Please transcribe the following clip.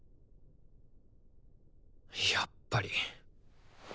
やっぱり。